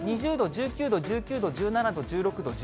２０度、１９度、１９度、１７度、１６度、１５度。